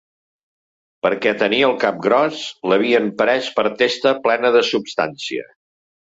Perquè tenia el cap gros, l’havien pres per testa plena de substancia